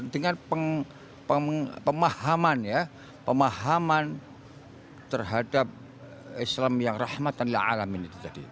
dengan pemahaman terhadap islam yang rahmatan dan alamin